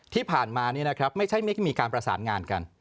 ที่ผ่านมาไม่ใช่ไม่มีการประสานงานกัน